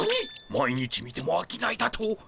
毎日見てもあきないだと！